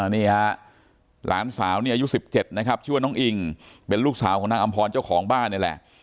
นี่ฮะหลานสาวนี่อายุ๑๗นะครับชื่อว่าน้องอิงเป็นลูกสาวของนางอำพรเจ้าของบ้านนี่แหละ